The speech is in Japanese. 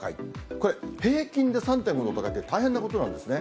これ、平均で３．５度高いって大変なことなんですね。